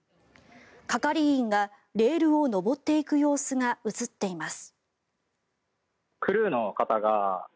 係員がレールを上っていく様子が映っています。